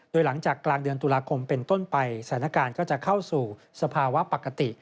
โดยหลังจากกลางเดือนตุลาคมเป็นต้นไปสถานการณ์ก็จะเข้าสู่สภาวะปกติ